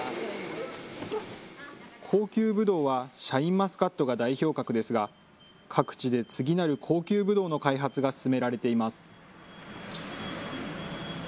高級ブドウは、シャインマスカットが代表格ですが、各地で次なる高級ブドウの開発が進められています。